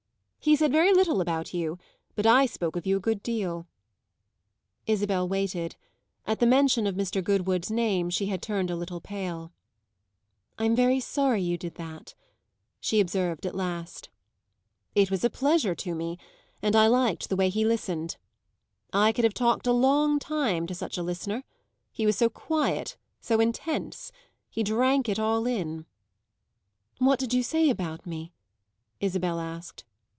"He said very little about you, but I spoke of you a good deal." Isabel waited. At the mention of Mr. Goodwood's name she had turned a little pale. "I'm very sorry you did that," she observed at last. "It was a pleasure to me, and I liked the way he listened. I could have talked a long time to such a listener; he was so quiet, so intense; he drank it all in." "What did you say about me?" Isabel asked.